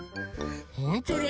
ほんとに？